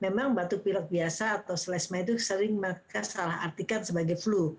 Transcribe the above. memang batuk pilok biasa atau selesma itu sering mereka salah artikan sebagai flu